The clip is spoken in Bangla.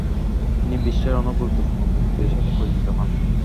তিনি বিশ্বের অনেক গুরুত্বপূর্ণ ব্যক্তিত্বের সাথে পরিচিত হন।